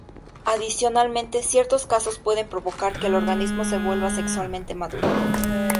Adicionalmente, ciertos casos pueden provocar que el organismo se vuelva sexualmente maduro.